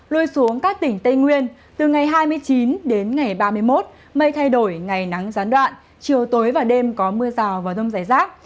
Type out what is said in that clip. lui xuống các tỉnh tây nguyên từ ngày hai mươi chín đến ngày ba mươi một mây thay đổi ngày nắng gián đoạn chiều tối và đêm có mưa rào và rông rải rác